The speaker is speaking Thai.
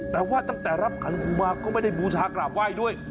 แต่ว่าตั้งแต่รับขันครูมาก็ไม่ได้บูชากราบไหว้ด้วย